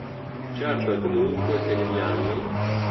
Certo è comunque che negli anni.